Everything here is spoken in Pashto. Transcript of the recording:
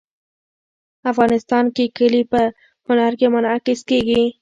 افغانستان کې کلي په هنر کې منعکس کېږي.